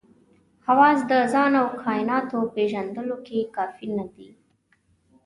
حواس د ځان او کایناتو پېژندلو کې کافي نه دي.